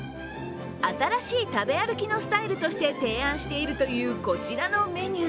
新しい食べ歩きのスタイルとして提案しているという、こちらのメニュー。